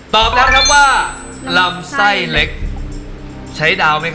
ตอบแล้วครับว่าลำไส้เล็ก